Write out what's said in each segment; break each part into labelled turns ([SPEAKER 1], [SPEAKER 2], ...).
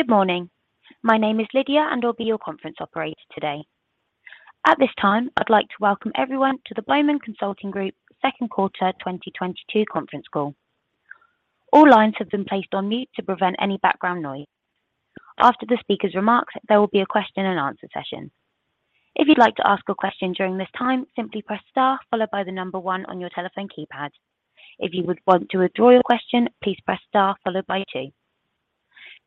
[SPEAKER 1] Good morning. My name is Lydia, and I'll be your conference operator today. At this time, I'd like to welcome everyone to the Bowman Consulting Group Second Quarter 2022 Conference Call. All lines have been placed on mute to prevent any background noise. After the speaker's remarks, there will be a question and answer session. If you'd like to ask a question during this time, simply press star followed by the number one on your telephone keypad. If you would want to withdraw your question, please press star followed by two.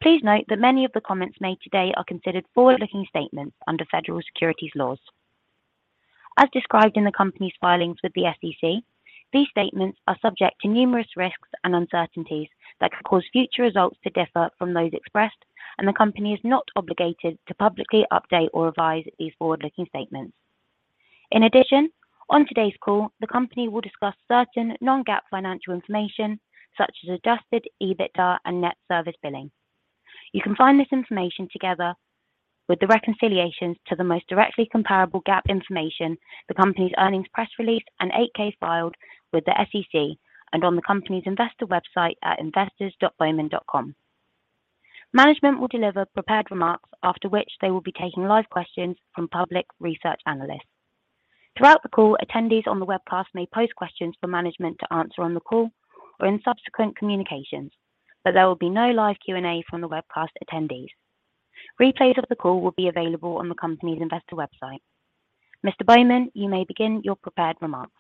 [SPEAKER 1] Please note that many of the comments made today are considered forward-looking statements under federal securities laws. As described in the company's filings with the SEC, these statements are subject to numerous risks and uncertainties that could cause future results to differ from those expressed, and the company is not obligated to publicly update or revise these forward-looking statements. In addition, on today's call, the company will discuss certain non-GAAP financial information such as Adjusted EBITDA and Net Service Billing. You can find this information together with the reconciliations to the most directly comparable GAAP information, the company's earnings press release, and 8-K filed with the SEC and on the company's investor website at investors.bowman.com. Management will deliver prepared remarks after which they will be taking live questions from public research analysts. Throughout the call, attendees on the webcast may post questions for management to answer on the call or in subsequent communications, but there will be no live Q&A from the webcast attendees. Replays of the call will be available on the company's investor website. Mr. Bowman, you may begin your prepared remarks.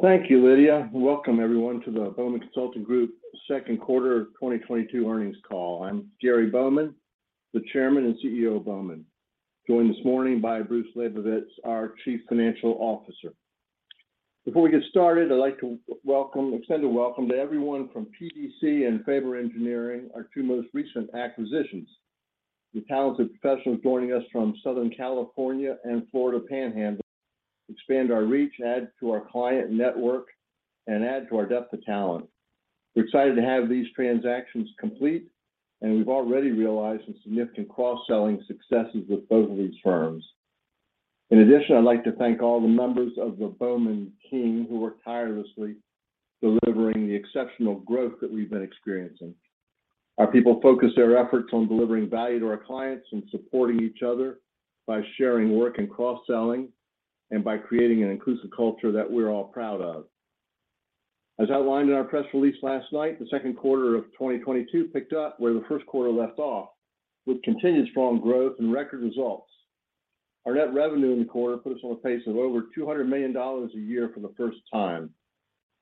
[SPEAKER 2] Thank you, Lydia. Welcome everyone to the Bowman Consulting Group Second Quarter 2022 Earnings Call. I'm Gary Bowman, the Chairman and CEO of Bowman, joined this morning by Bruce Labovitz, our Chief Financial Officer. Before we get started, I'd like to extend a welcome to everyone from PDC and Fabre Engineering, our two most recent acquisitions. The talented professionals joining us from Southern California and Florida Panhandle expand our reach, add to our client network, and add to our depth of talent. We're excited to have these transactions complete, and we've already realized some significant cross-selling successes with both of these firms. In addition, I'd like to thank all the members of the Bowman team who work tirelessly delivering the exceptional growth that we've been experiencing. Our people focus their efforts on delivering value to our clients and supporting each other by sharing work and cross-selling and by creating an inclusive culture that we're all proud of. As outlined in our press release last night, the second quarter of 2022 picked up where the first quarter left off with continued strong growth and record results. Our net revenue in the quarter put us on a pace of over $200 million a year for the first time.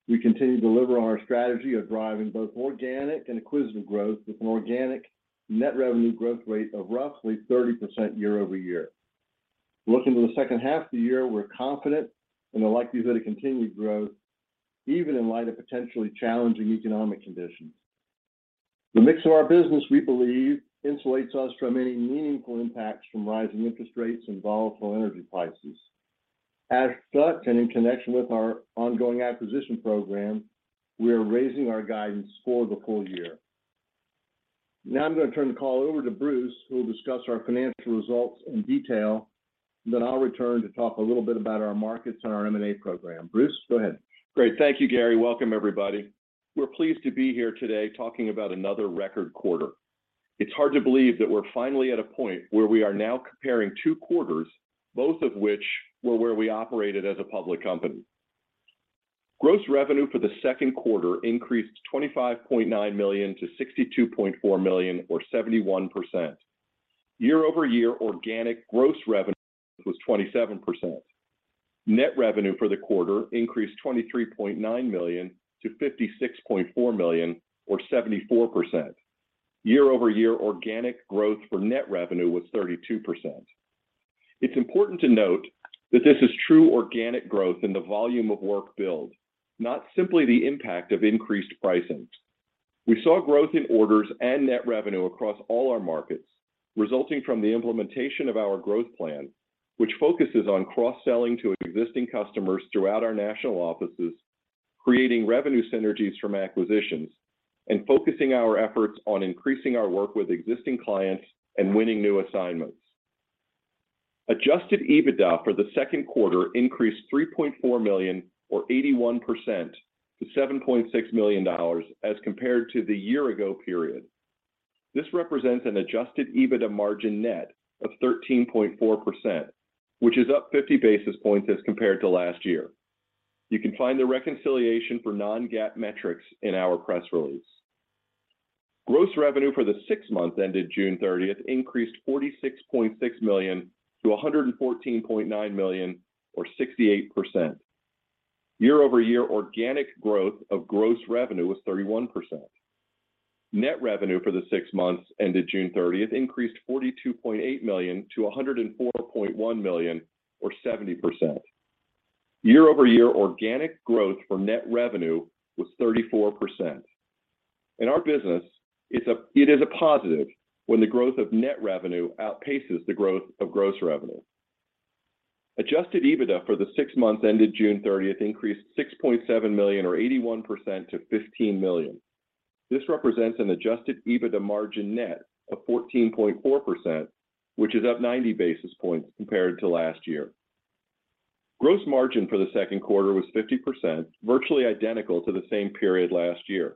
[SPEAKER 2] We continue to deliver on our strategy of driving both organic and acquisitive growth with an organic net revenue growth rate of roughly 30% year-over-year. Looking to the second half of the year, we're confident in the likelihood of continued growth even in light of potentially challenging economic conditions. The mix of our business, we believe, insulates us from any meaningful impacts from rising interest rates and volatile energy prices. As such, and in connection with our ongoing acquisition program, we are raising our guidance for the full year. Now I'm gonna turn the call over to Bruce, who will discuss our financial results in detail, and then I'll return to talk a little bit about our markets and our M&A program. Bruce, go ahead.
[SPEAKER 3] Great. Thank you, Gary. Welcome everybody. We're pleased to be here today talking about another record quarter. It's hard to believe that we're finally at a point where we are now comparing two quarters, both of which were where we operated as a public company. Gross revenue for the second quarter increased $25.9 million-$62.4 million or 71%. Year-over-year organic gross revenue was 27%. Net revenue for the quarter increased $23.9 million-$56.4 million or 74%. Year-over-year organic growth for net revenue was 32%. It's important to note that this is true organic growth in the volume of work billed, not simply the impact of increased pricing. We saw growth in orders and net revenue across all our markets resulting from the implementation of our growth plan, which focuses on cross-selling to existing customers throughout our national offices, creating revenue synergies from acquisitions, and focusing our efforts on increasing our work with existing clients and winning new assignments. Adjusted EBITDA for the second quarter increased $3.4 million or 81% to $7.6 million as compared to the year ago period. This represents an adjusted EBITDA margin net of 13.4%, which is up 50 basis points as compared to last year. You can find the reconciliation for non-GAAP metrics in our press release. Gross revenue for the six months ended June 30th increased $46.6 million-$114.9 million or 68%. Year-over-year organic growth of gross revenue was 31%. Net revenue for the six months ended June 30th increased $42.8 million-$104.1 million or 70%. Year-over-year organic growth for net revenue was 34%. In our business, it is a positive when the growth of net revenue outpaces the growth of gross revenue. Adjusted EBITDA for the six months ended June 30th increased $6.7 million or 81% to $15 million. This represents an adjusted EBITDA margin net of 14.4%, which is up 90 basis points compared to last year. Gross margin for the second quarter was 50%, virtually identical to the same period last year.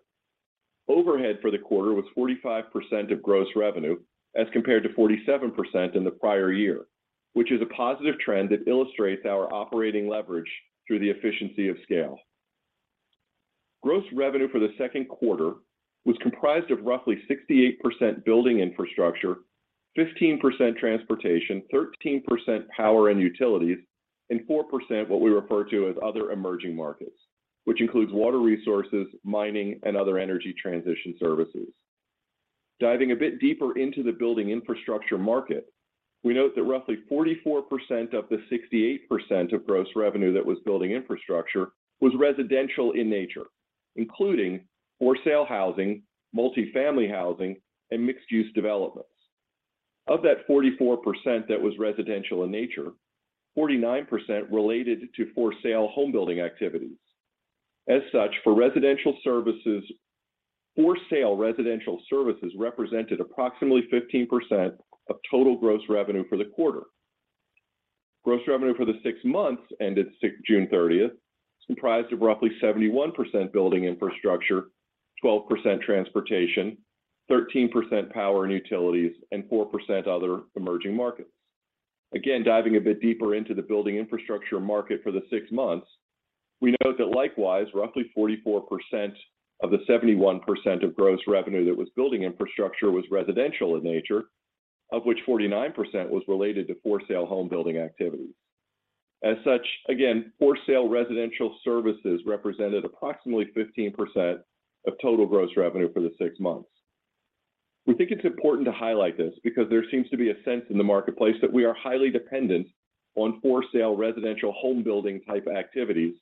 [SPEAKER 3] Overhead for the quarter was 45% of gross revenue as compared to 47% in the prior year, which is a positive trend that illustrates our operating leverage through the efficiency of scale. Gross revenue for the second quarter was comprised of roughly 68% Building Infrastructure, 15% Transportation, 13% Power & Utilities, and 4% what we refer to as other emerging markets, which includes Water Resources, Mining, and other Energy Transition services. Diving a bit deeper into the Building Infrastructure market, we note that roughly 44% of the 68% of gross revenue that was Building Infrastructure was residential in nature, including for sale housing, multi-family housing, and mixed-use developments. Of that 44% that was residential in nature, 49% related to for sale home building activities. As such, for sale residential services represented approximately 15% of total gross revenue for the quarter. Gross revenue for the six months ended June 30th comprised of roughly 71% Building Infrastructure, 12% Transportation, 13% Power & Utilities, and 4% other emerging markets. Again, diving a bit deeper into the Building Infrastructure market for the six months, we note that likewise, roughly 44% of the 71% of gross revenue that was Building Infrastructure was residential in nature, of which 49% was related to for sale home building activities. As such, again, for sale residential services represented approximately 15% of total gross revenue for the six months. We think it's important to highlight this because there seems to be a sense in the marketplace that we are highly dependent on for sale residential home building type activities,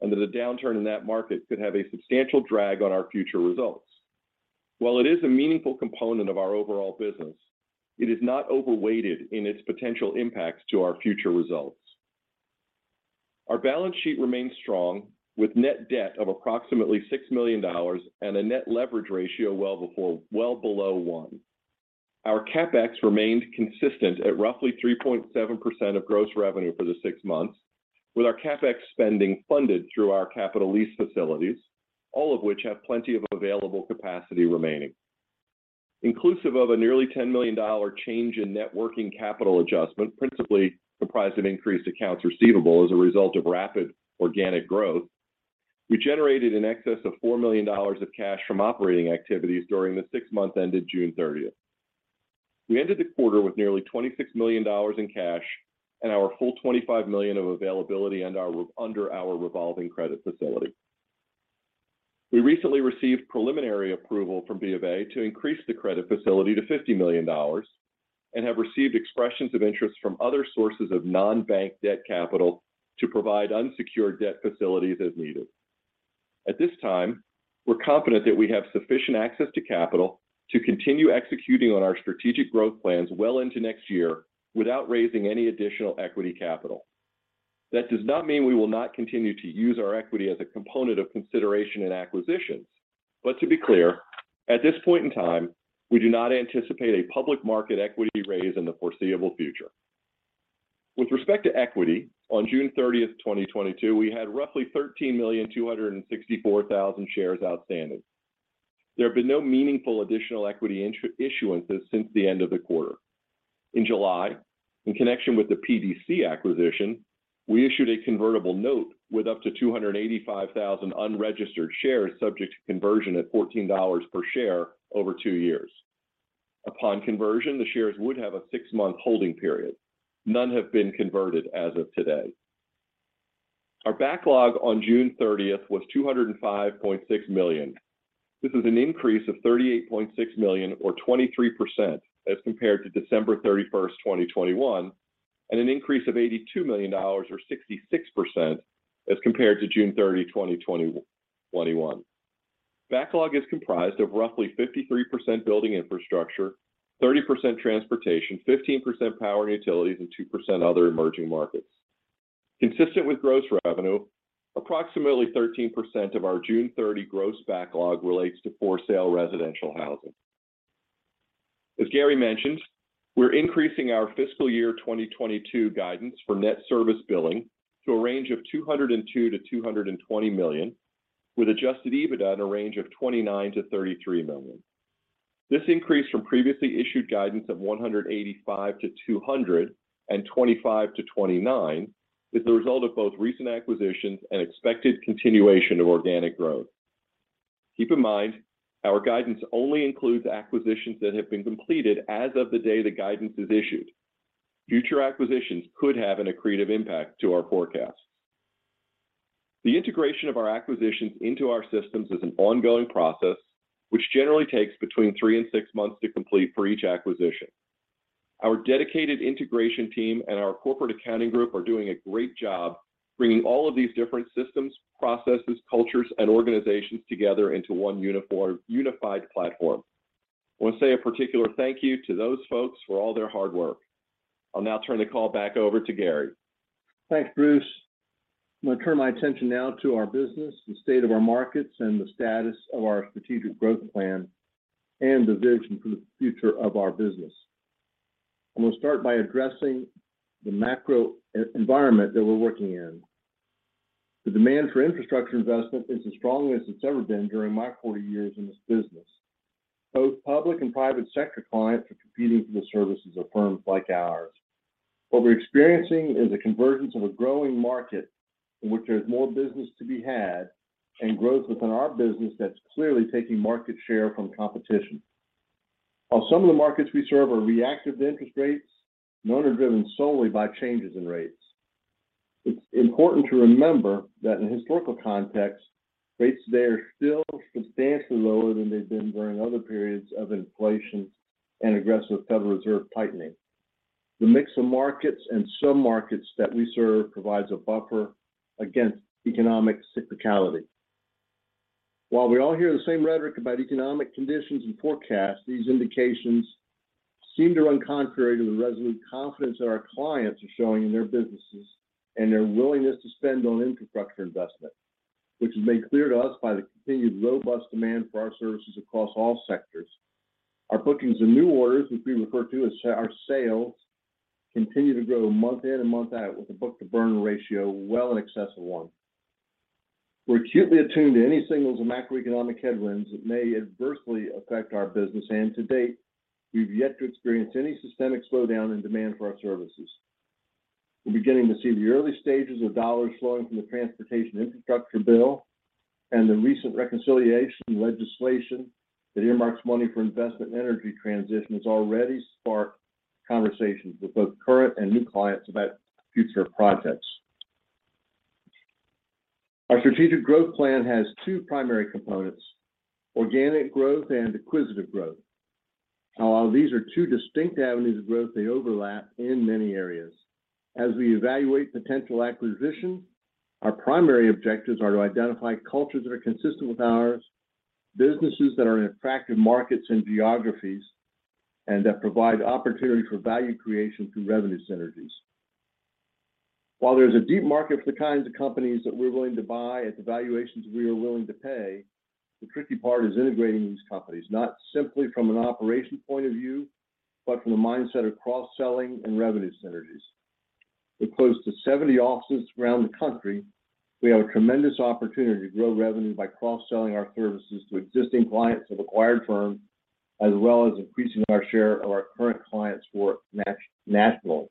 [SPEAKER 3] and that a downturn in that market could have a substantial drag on our future results. While it is a meaningful component of our overall business, it is not overweighted in its potential impacts to our future results. Our balance sheet remains strong with net debt of approximately $6 million and a net leverage ratio well below one. Our CapEx remained consistent at roughly 3.7% of gross revenue for the six months, with our CapEx spending funded through our capital lease facilities, all of which have plenty of available capacity remaining. Inclusive of a nearly $10 million change in net working capital adjustment, principally comprised of increased accounts receivable as a result of rapid organic growth. We generated in excess of $4 million of cash from operating activities during the six months ended June 30th. We ended the quarter with nearly $26 million in cash and our full $25 million of availability under our revolving credit facility. We recently received preliminary approval from BofA to increase the credit facility to $50 million and have received expressions of interest from other sources of non-bank debt capital to provide unsecured debt facilities as needed. At this time, we're confident that we have sufficient access to capital to continue executing on our strategic growth plans well into next year without raising any additional equity capital. That does not mean we will not continue to use our equity as a component of consideration in acquisitions. To be clear, at this point in time, we do not anticipate a public market equity raise in the foreseeable future. With respect to equity, on June 30th, 2022, we had roughly 13,264,000 shares outstanding. There have been no meaningful additional equity issuances since the end of the quarter. In July, in connection with the PDC acquisition, we issued a convertible note with up to 285,000 unregistered shares subject to conversion at $14 per share over two years. Upon conversion, the shares would have a six-month holding period. None have been converted as of today. Our backlog on June 30th was $205.6 million. This is an increase of $38.6 million or 23% as compared to December 31, 2021, and an increase of $82 million or 66% as compared to June 30, 2021. Backlog is comprised of roughly 53% building infrastructure, 30% transportation, 15% power and utilities, and 2% other emerging markets. Consistent with gross revenue, approximately 13% of our June 30 gross backlog relates to for sale residential housing. As Gary mentioned, we're increasing our fiscal year 2022 guidance for Net Service Billing to a range of $202 million-$220 million, with Adjusted EBITDA in a range of $29 million-$33 million. This increase from previously issued guidance of $185 million-$205 million to $25 million-$29 million is the result of both recent acquisitions and expected continuation of organic growth. Keep in mind, our guidance only includes acquisitions that have been completed as of the day the guidance is issued. Future acquisitions could have an accretive impact to our forecast. The integration of our acquisitions into our systems is an ongoing process, which generally takes between three and six months to complete for each acquisition. Our dedicated integration team and our corporate accounting group are doing a great job bringing all of these different systems, processes, cultures, and organizations together into one unified platform. I want to say a particular thank you to those folks for all their hard work. I'll now turn the call back over to Gary.
[SPEAKER 2] Thanks, Bruce. I'm gonna turn my attention now to our business, the state of our markets, and the status of our strategic growth plan and the vision for the future of our business. I'm gonna start by addressing the macro environment that we're working in. The demand for infrastructure investment is as strong as it's ever been during my 40 years in this business. Both public and private sector clients are competing for the services of firms like ours. What we're experiencing is a convergence of a growing market in which there's more business to be had and growth within our business that's clearly taking market share from competition. While some of the markets we serve are reactive to interest rates, none are driven solely by changes in rates. It's important to remember that in historical context, rates today are still substantially lower than they've been during other periods of inflation and aggressive Federal Reserve tightening. The mix of markets and some markets that we serve provides a buffer against economic cyclicality. While we all hear the same rhetoric about economic conditions and forecasts, these indications seem to run contrary to the resolute confidence that our clients are showing in their businesses and their willingness to spend on infrastructure investment, which is made clear to us by the continued robust demand for our services across all sectors. Our bookings and new orders, which we refer to as our sales, continue to grow month in and month out with a book-to-bill ratio well in excess of one. We're acutely attuned to any signals of macroeconomic headwinds that may adversely affect our business, and to date, we've yet to experience any systemic slowdown in demand for our services. We're beginning to see the early stages of dollars flowing from the transportation infrastructure bill and the recent reconciliation legislation that earmarks money for investment in Energy Transition has already sparked conversations with both current and new clients about future projects. Our strategic growth plan has two primary components, organic growth and acquisitive growth. Now while these are two distinct avenues of growth, they overlap in many areas. As we evaluate potential acquisitions, our primary objectives are to identify cultures that are consistent with ours, businesses that are in attractive markets and geographies, and that provide opportunity for value creation through revenue synergies. While there's a deep market for the kinds of companies that we're willing to buy at the valuations we are willing to pay, the tricky part is integrating these companies, not simply from an operations point of view, but from the mindset of cross-selling and revenue synergies. With close to 70 offices around the country, we have a tremendous opportunity to grow revenue by cross-selling our services to existing clients of acquired firms, as well as increasing our share of our current clients' work nationally.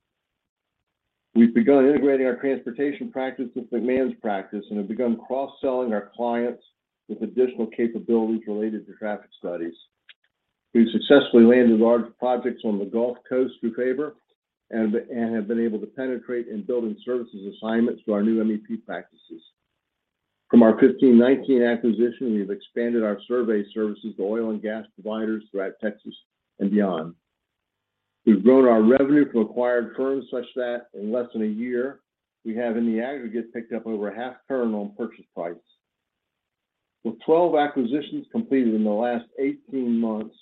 [SPEAKER 2] We've begun integrating our transportation practice with McMahon's practice and have begun cross-selling our clients with additional capabilities related to traffic studies. We've successfully landed large projects on the Gulf Coast through Fabre and have been able to penetrate and build in services assignments to our new MEP practices. From our 1519 acquisition, we've expanded our survey services to oil and gas providers throughout Texas and beyond. We've grown our revenue from acquired firms such that in less than a year, we have in the aggregate picked up over half turn on purchase price. With 12 acquisitions completed in the last 18 months,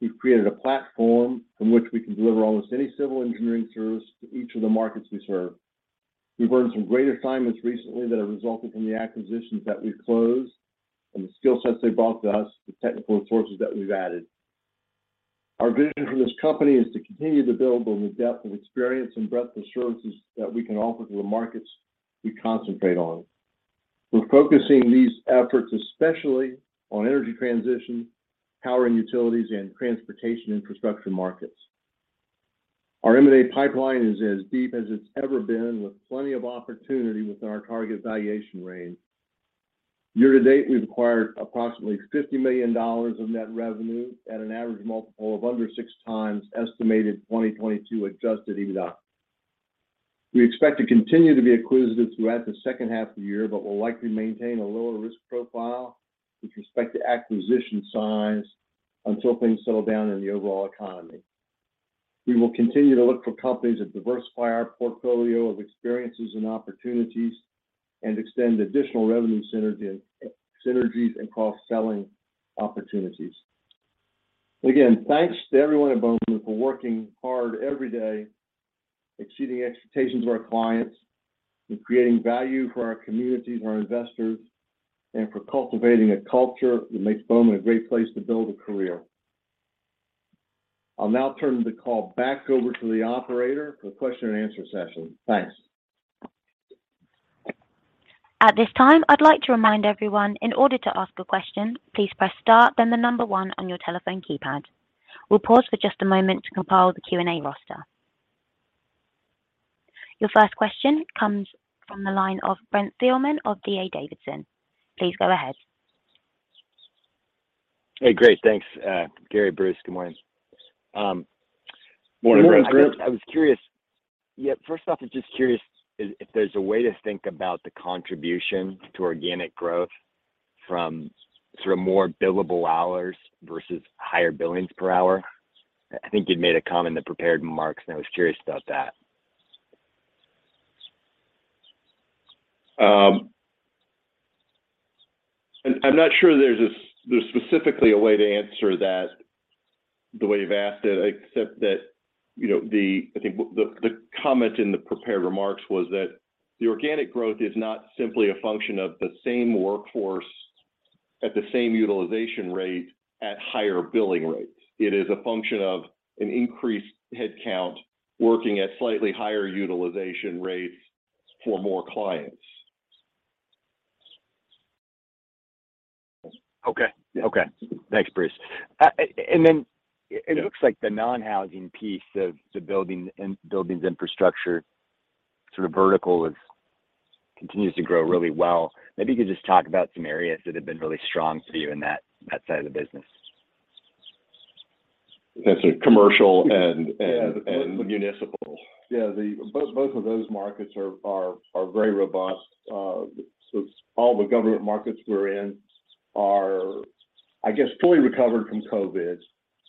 [SPEAKER 2] we've created a platform from which we can deliver almost any civil engineering service to each of the markets we serve. We've earned some great assignments recently that have resulted from the acquisitions that we've closed and the skill sets they brought to us, the technical resources that we've added. Our vision for this company is to continue to build on the depth of experience and breadth of services that we can offer to the markets we concentrate on. We're focusing these efforts especially on Energy Transition, Power & Utilities, and Transportation infrastructure markets. Our M&A pipeline is as deep as it's ever been with plenty of opportunity within our target valuation range. Year to date, we've acquired approximately $50 million of net revenue at an average multiple of under 6x estimated 2022 Adjusted EBITDA. We expect to continue to be acquisitive throughout the second half of the year, but we'll likely maintain a lower risk profile with respect to acquisition size until things settle down in the overall economy. We will continue to look for companies that diversify our portfolio of experiences and opportunities and extend additional revenue synergy, synergies and cross-selling opportunities. Again, thanks to everyone at Bowman for working hard every day, exceeding expectations of our clients, and creating value for our communities and our investors, and for cultivating a culture that makes Bowman a great place to build a career. I'll now turn the call back over to the operator for the question and answer session. Thanks.
[SPEAKER 1] At this time, I'd like to remind everyone in order to ask a question, please press star then the number one on your telephone keypad. We'll pause for just a moment to compile the Q&A roster. Your first question comes from the line of Brent Thielman of D.A. Davidson. Please go ahead.
[SPEAKER 4] Hey, great. Thanks, Gary, Bruce. Good morning.
[SPEAKER 2] Morning, Brent.
[SPEAKER 4] I was curious. Yeah, first off, I'm just curious if there's a way to think about the contribution to organic growth from sort of more billable hours vs higher billings per hour. I think you'd made a comment in the prepared remarks, and I was curious about that.
[SPEAKER 3] I'm not sure there's specifically a way to answer that the way you've asked it, except that, you know, I think the comment in the prepared remarks was that the organic growth is not simply a function of the same workforce at the same utilization rate at higher billing rates. It is a function of an increased headcount working at slightly higher utilization rates for more clients.
[SPEAKER 4] Okay.
[SPEAKER 3] Yeah.
[SPEAKER 4] Okay. Thanks, Bruce.
[SPEAKER 3] Yeah
[SPEAKER 4] It looks like the non-housing piece of the Building Infrastructure sort of vertical continues to grow really well. Maybe you could just talk about some areas that have been really strong for you in that side of the business.
[SPEAKER 3] That's a commercial and.
[SPEAKER 2] Yeah, the municipal. Yeah, both of those markets are very robust. All the government markets we're in are, I guess, fully recovered from COVID.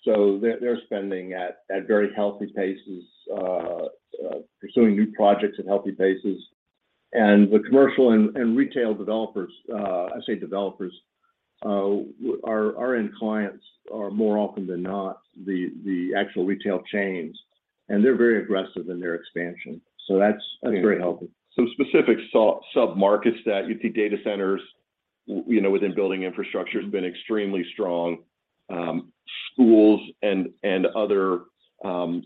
[SPEAKER 2] They're spending at very healthy paces, pursuing new projects at healthy paces. The commercial and retail developers, I say developers, our end clients are more often than not the actual retail chains, and they're very aggressive in their expansion. That's very helpful.
[SPEAKER 3] Some specific sub-markets that you'd see data centers, you know, within Building Infrastructure has been extremely strong. Schools and other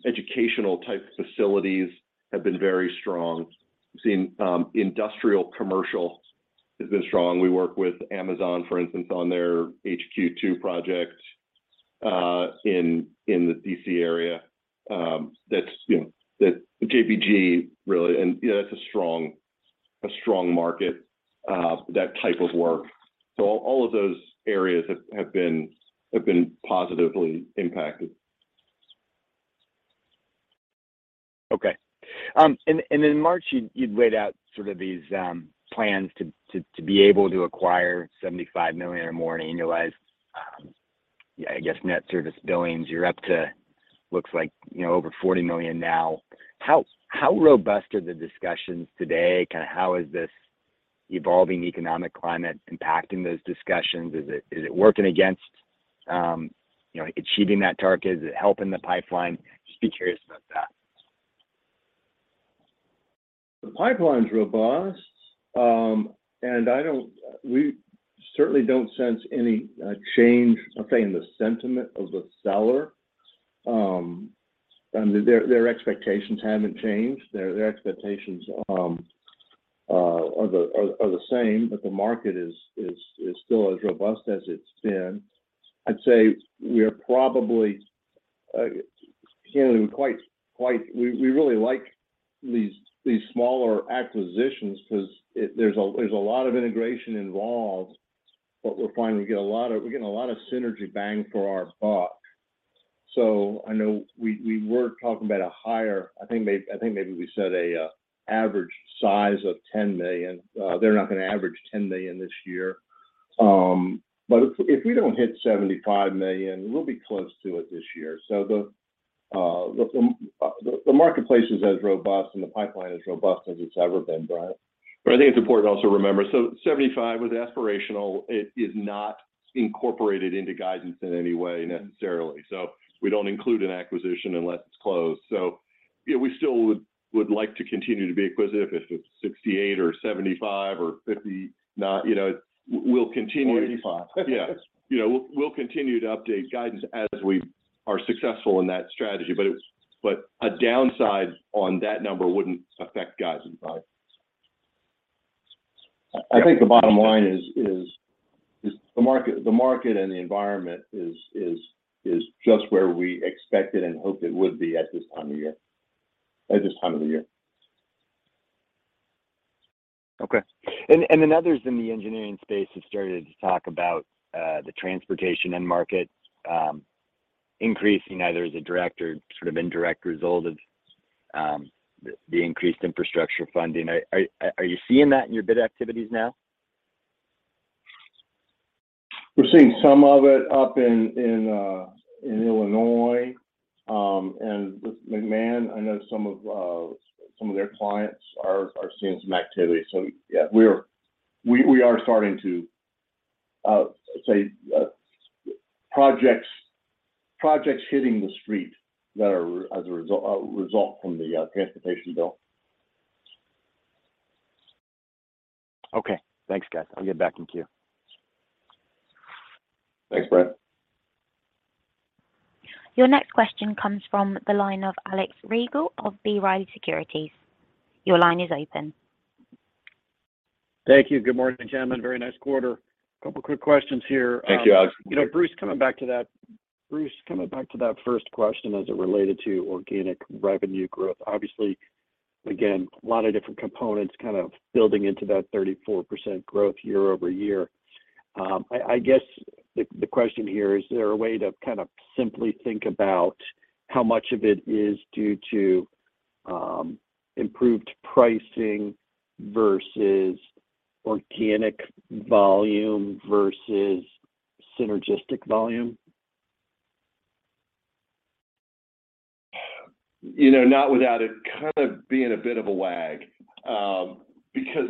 [SPEAKER 3] educational type facilities have been very strong. We've seen industrial commercial has been strong. We work with Amazon, for instance, on their HQ2 project in the D.C. area. That's, you know, that JBG SMITH, really. You know, that's a strong market that type of work. All of those areas have been positively impacted.
[SPEAKER 4] Okay. In March, you'd laid out sort of these plans to be able to acquire $75 million or more in annualized, yeah, I guess, Net Service Billing. You're up to looks like, you know, over $40 million now. How robust are the discussions today? Kind of how is this evolving economic climate impacting those discussions? Is it working against, you know, achieving that target? Is it helping the pipeline? Just be curious about that.
[SPEAKER 2] The pipeline's robust. We certainly don't sense any change, I'll say, in the sentiment of the seller. Their expectations haven't changed. Their expectations are the same, but the market is still as robust as it's been. I'd say we're probably you know quite. We really like these smaller acquisitions because there's a lot of integration involved, but we're finding we get a lot of we're getting a lot of synergy bang for our buck. I know we were talking about a higher, I think maybe we said a average size of $10 million. They're not gonna average $10 million this year. If we don't hit $75 million, we'll be close to it this year. The marketplace is as robust and the pipeline is robust as it's ever been, Brent Thielman.
[SPEAKER 3] I think it's important to also remember, so 75 was aspirational. It is not incorporated into guidance in any way necessarily. We don't include an acquisition unless it's closed. Yeah, we still would like to continue to be acquisitive. If it's 68 or 75 or 59, you know, we'll continue.
[SPEAKER 2] 45.
[SPEAKER 3] Yes. You know, we'll continue to update guidance as we are successful in that strategy. A downside on that number wouldn't affect guidance, Brent Thielman.
[SPEAKER 2] I think the bottom line is the market and the environment is just where we expected and hoped it would be at this time of the year.
[SPEAKER 4] Okay. Others in the engineering space have started to talk about the transportation end market increasing either as a direct or sort of indirect result of the increased infrastructure funding. Are you seeing that in your bid activities now?
[SPEAKER 2] We're seeing some of it up in Illinois. With McMahon, I know some of their clients are seeing some activity. Yeah, we are starting to see projects hitting the street that are as a result from the transportation bill.
[SPEAKER 4] Okay. Thanks, guys. I'll get back in queue.
[SPEAKER 3] Thanks, Brent Thielman.
[SPEAKER 1] Your next question comes from the line of Alex Rygiel of B. Riley Securities. Your line is open.
[SPEAKER 5] Thank you. Good morning, gentlemen. Very nice quarter.
[SPEAKER 3] Thank you, Alex.
[SPEAKER 5] Couple quick questions here.
[SPEAKER 3] Thank you, Alex.
[SPEAKER 5] You know, Bruce, coming back to that first question as it related to organic revenue growth. Obviously, again, a lot of different components kind of building into that 34% growth year-over-year. I guess the question here is there a way to kind of simply think about how much of it is due to improved pricing vs organic volume vs synergistic volume?
[SPEAKER 3] You know, not without it kind of being a bit of a wag, because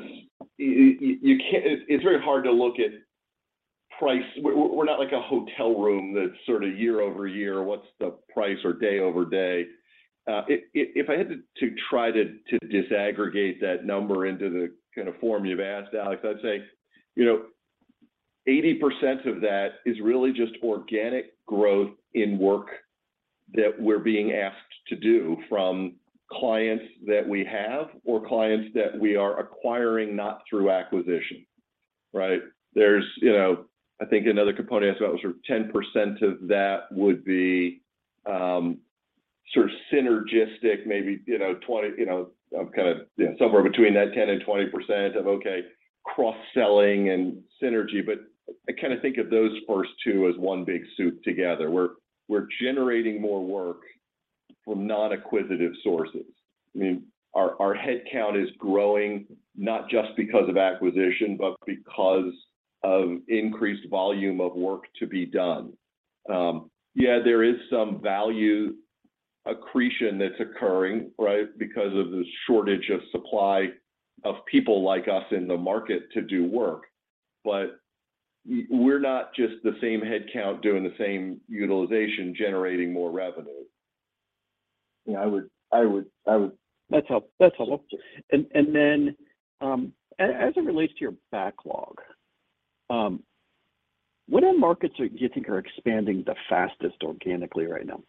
[SPEAKER 3] you can't. It's very hard to look at price. We're not like a hotel room that's sort of year-over-year, what's the price or day-over-day? If I had to try to disaggregate that number into the kind of form you've asked, Alex, I'd say, you know, 80% of that is really just organic growth in work that we're being asked to do from clients that we have or clients that we are acquiring, not through acquisition, right? There's, you know, I think another component is about sort of 10% of that would be sort of synergistic, maybe, you know, 20, you know, kind of, you know, somewhere between that 10% and 20% of okay, cross-selling and synergy. I kind of think of those first two as one big suite together. We're generating more work from non-acquisitive sources. I mean, our headcount is growing not just because of acquisition, but because of increased volume of work to be done. There is some value accretion that's occurring, right? Because of the shortage of supply of people like us in the market to do work. We're not just the same headcount doing the same utilization, generating more revenue. You know, I would.
[SPEAKER 5] That's helpful. As it relates to your backlog, what end markets do you think are expanding the fastest organically right now?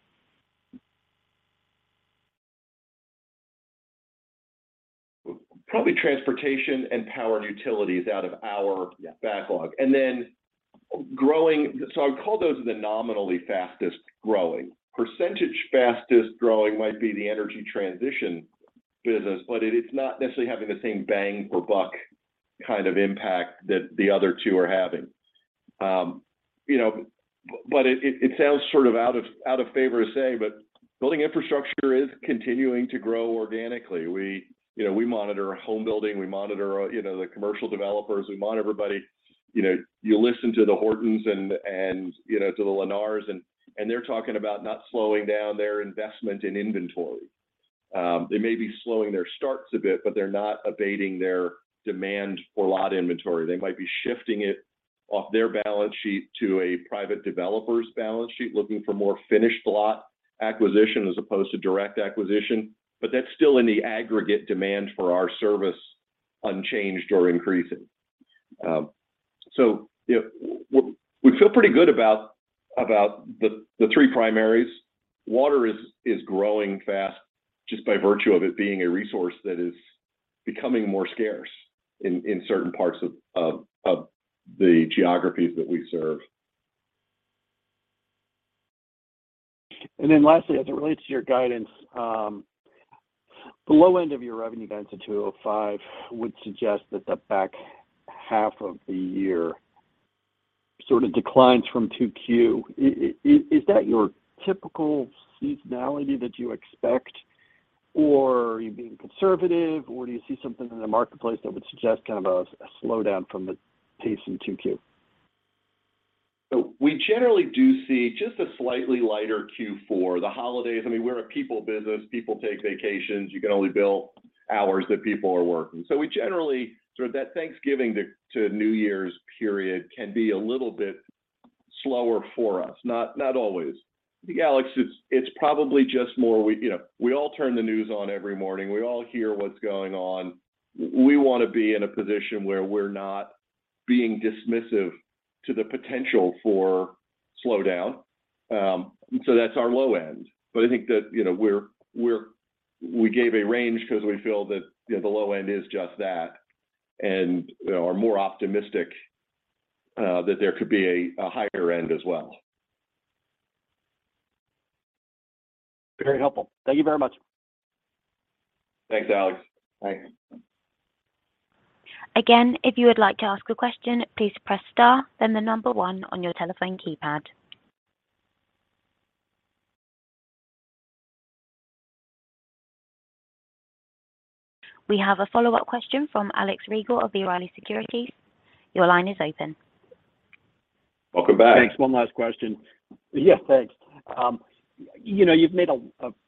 [SPEAKER 3] Probably Transportation and Power & Utilities out of our
[SPEAKER 5] Yeah
[SPEAKER 3] backlog. I'd call those the nominally fastest-growing. Percentage fastest-growing might be the Energy Transition business, but it's not necessarily having the same bang for buck kind of impact that the other two are having. You know, but it sounds sort of out of favor to say, but Building Infrastructure is continuing to grow organically. You know, we monitor home building, we monitor the commercial developers, we monitor everybody. You know, you listen to D.R. Horton and Lennar, and they're talking about not slowing down their investment in inventory. They may be slowing their starts a bit, but they're not abating their demand for lot inventory. They might be shifting it off their balance sheet to a private developer's balance sheet, looking for more finished lot acquisition as opposed to direct acquisition. That's still in the aggregate demand for our service unchanged or increasing. You know, we feel pretty good about the three primaries. Water is growing fast just by virtue of it being a resource that is becoming more scarce in certain parts of the geographies that we serve.
[SPEAKER 5] As it relates to your guidance, the low end of your revenue guidance of $205 would suggest that the back half of the year sort of declines from 2Q. Is that your typical seasonality that you expect, or are you being conservative, or do you see something in the marketplace that would suggest kind of a slowdown from the pace in 2Q?
[SPEAKER 3] We generally do see just a slightly lighter Q4. The holidays, I mean, we're a people business. People take vacations. You can only bill hours that people are working. We generally, sort of that Thanksgiving to New Year's period can be a little bit slower for us, not always. I think, Alex, it's probably just, you know, we all turn the news on every morning. We all hear what's going on. We wanna be in a position where we're not being dismissive to the potential for slowdown. That's our low end. I think that, you know, we gave a range because we feel that, you know, the low end is just that, and, you know, are more optimistic that there could be a higher end as well.
[SPEAKER 5] Very helpful. Thank you very much.
[SPEAKER 3] Thanks, Alex. Bye.
[SPEAKER 1] Again, if you would like to ask a question, please press star, then the number one on your telephone keypad. We have a follow-up question from Alex Rygiel of B. Riley Securities. Your line is open.
[SPEAKER 3] Welcome back.
[SPEAKER 5] Thanks. One last question. Yeah, thanks. You know, you've made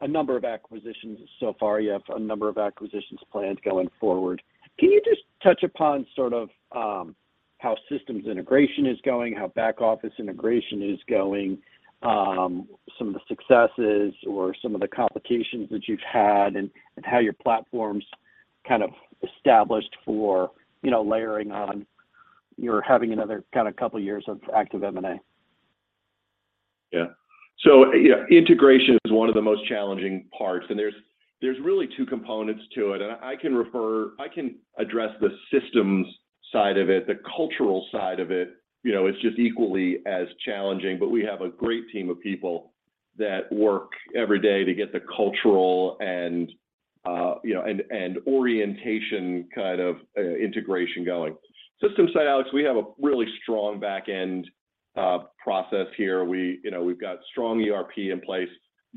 [SPEAKER 5] a number of acquisitions so far. You have a number of acquisitions planned going forward. Can you just touch upon sort of how systems integration is going, how back office integration is going, some of the successes or some of the complications that you've had and how your platform's kind of established for, you know, layering on your having another kind of couple years of active M&A?
[SPEAKER 3] Yeah, integration is one of the most challenging parts, and there's really two components to it, and I can address the systems side of it. The cultural side of it, you know, is just equally as challenging. We have a great team of people that work every day to get the cultural and, you know, and orientation kind of integration going. Systems side, Alex, we have a really strong back-end process here. We, you know, we've got strong ERP in place.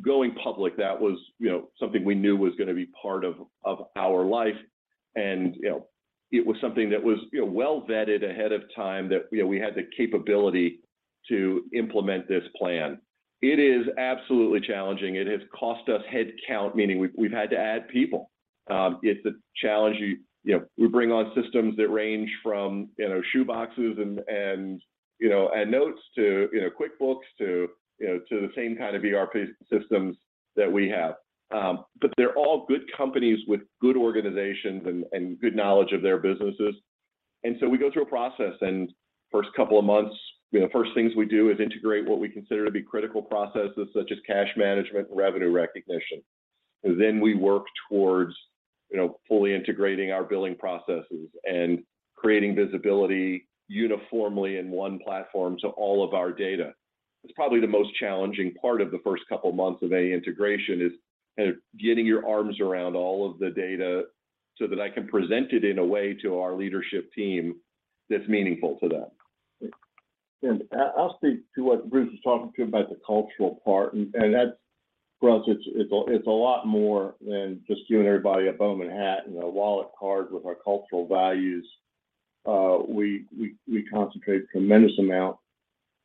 [SPEAKER 3] Going public, that was, you know, something we knew was gonna be part of our life. You know, it was something that was, you know, well vetted ahead of time that, you know, we had the capability to implement this plan. It is absolutely challenging. It has cost us head count, meaning we've had to add people. It's a challenge, you know, we bring on systems that range from, you know, shoe boxes and notes to, you know, QuickBooks to, you know, to the same kind of ERP systems that we have. But they're all good companies with good organizations and good knowledge of their businesses. We go through a process and first couple of months, you know, first things we do is integrate what we consider to be critical processes such as cash management and revenue recognition. We work towards, you know, fully integrating our billing processes and creating visibility uniformly in one platform to all of our data. It's probably the most challenging part of the first couple months of any integration is kind of getting your arms around all of the data so that I can present it in a way to our leadership team that's meaningful to them.
[SPEAKER 2] I'll speak to what Bruce was talking about the cultural part, and that's. For us, it's a lot more than just giving everybody a Bowman hat and a wallet card with our cultural values. We concentrate tremendous amount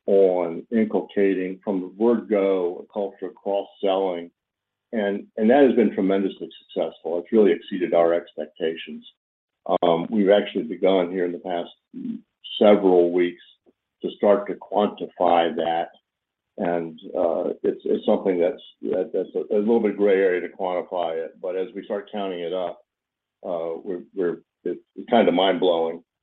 [SPEAKER 2] on inculcating from the word go a culture of cross-selling and that has been tremendously successful. It's really exceeded our expectations. We've actually begun here in the past several weeks to start to quantify that and it's something that's a little bit gray area to quantify it. But as we start counting it up, it's kind of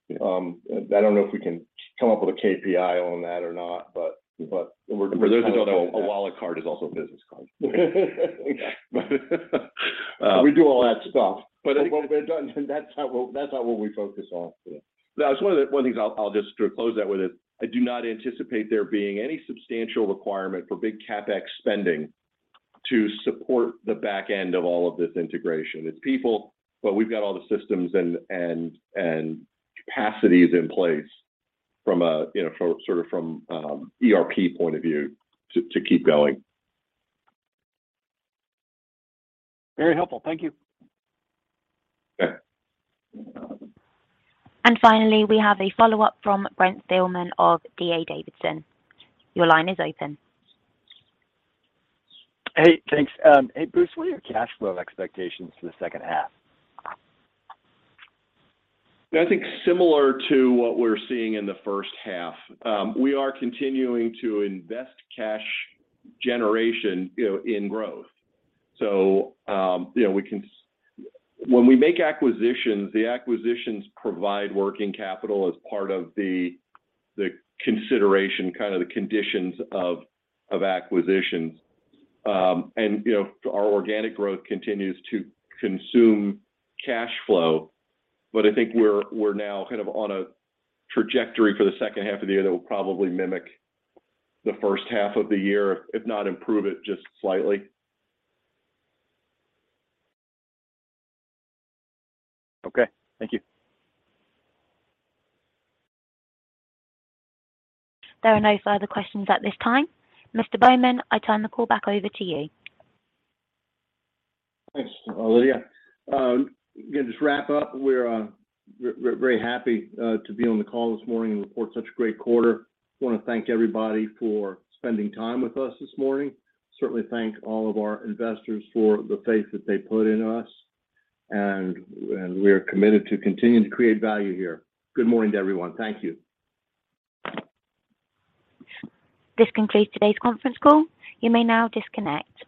[SPEAKER 2] mind-blowing. I don't know if we can come up with a KPI on that or not, but we're
[SPEAKER 3] A wallet card is also a business card. Yeah.
[SPEAKER 2] But, uh-
[SPEAKER 3] We do all that stuff.
[SPEAKER 2] When we're done, then that's not what we focus on.
[SPEAKER 3] That was one of the things I'll just to close that with it. I do not anticipate there being any substantial requirement for big CapEx spending to support the back end of all of this integration. It's people, but we've got all the systems and capacities in place from a, you know, from sort of ERP point of view to keep going.
[SPEAKER 5] Very helpful. Thank you.
[SPEAKER 3] Yeah.
[SPEAKER 1] Finally, we have a follow-up from Brent Thielman of D.A. Davidson. Your line is open.
[SPEAKER 4] Hey, thanks. Hey Bruce, what are your cash flow expectations for the second half?
[SPEAKER 3] I think similar to what we're seeing in the first half. We are continuing to invest cash generation, you know, in growth. When we make acquisitions, the acquisitions provide working capital as part of the consideration, kind of the conditions of acquisitions. You know, our organic growth continues to consume cash flow, but I think we're now kind of on a trajectory for the second half of the year that will probably mimic the first half of the year, if not improve it just slightly.
[SPEAKER 4] Okay. Thank you.
[SPEAKER 1] There are no further questions at this time. Mr. Bowman, I turn the call back over to you.
[SPEAKER 2] Thanks, Lydia. Again, just wrap up. We're very happy to be on the call this morning and report such a great quarter. Wanna thank everybody for spending time with us this morning. Certainly thank all of our investors for the faith that they put in us, and we are committed to continuing to create value here. Good morning to everyone. Thank you.
[SPEAKER 1] This concludes today's conference call. You may now disconnect.